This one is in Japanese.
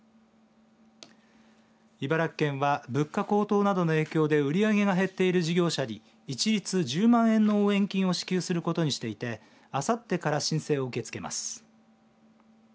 茨城県は物価高騰などの影響で売り上げが減っている事業者に一律１０万円の応援金を支給することにしていてあさってから申請を受け付けます。